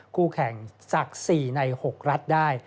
คู่แข่งจาก๔ใน๖รัฐได้